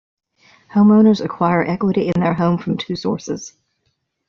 Homeowners acquire equity in their home from two sources.